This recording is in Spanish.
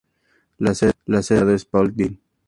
La sede del condado es Paulding.